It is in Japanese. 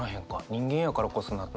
人間やからこそなるのか。